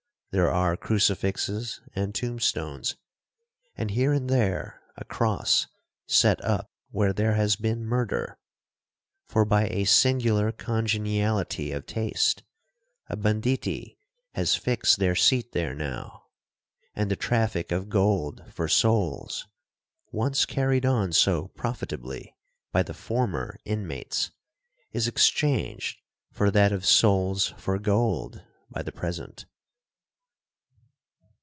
There are crucifixes and tomb stones, and here and there a cross set up where there has been murder,—for, by a singular congeniality of taste, a banditti has fixed their seat there now,—and the traffic of gold for souls, once carried on so profitably by the former inmates, is exchanged for that of souls for gold, by the present.'